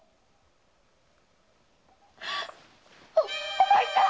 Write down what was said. お前さん